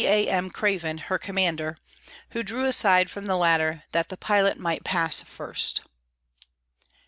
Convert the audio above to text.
A. M. Craven, her commander, who drew aside from the ladder that the pilot might pass first.